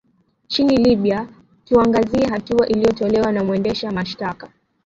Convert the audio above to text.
chini libya tuangazie hatua iliyotolewa na mwendesha mashtaka